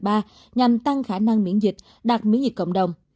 không khả năng miễn dịch đạt miễn dịch cộng đồng